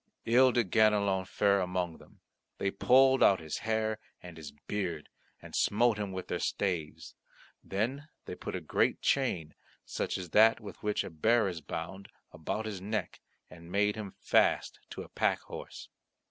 Ill did Ganelon fare among them. They pulled out his hair and his beard and smote him with their staves; then they put a great chain, such as that with which a bear is bound, about his neck, and made him fast to a pack horse.